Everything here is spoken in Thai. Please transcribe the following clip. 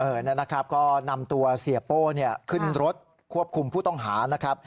เออนั่นนะครับก็นำตัวเสียโป้ขึ้นรถควบคุมผู้ต้องหา